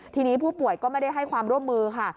ทีนี้ผู้ป่วยก็ไม่ได้ให้ความร่วมมือค่ะ